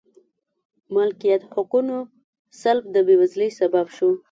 مالکیت حقونو سلب د بېوزلۍ سبب شو.